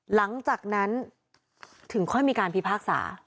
หลังจากนั้นถึงค่อยมีการพิพากษา